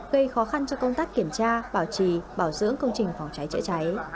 gây khó khăn cho công tác kiểm tra bảo trì bảo dưỡng công trình phòng cháy chữa cháy